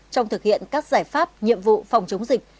trong thực hiện các giải pháp nhiệm vụ phòng chống dịch